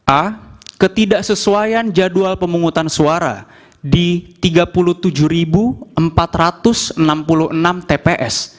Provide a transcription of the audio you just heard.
a ketidaksesuaian jadwal pemungutan suara di tiga puluh tujuh empat ratus enam puluh enam tps